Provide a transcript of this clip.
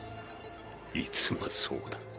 いつもそうだ。